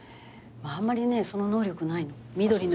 あんまりねその能力ないの。